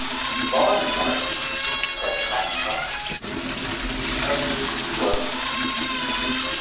"Barnes might," said Hancock, "only he won't."